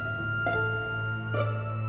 aku akan mencari ratu